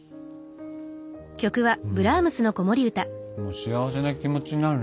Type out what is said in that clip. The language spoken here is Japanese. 幸せな気持ちになるね。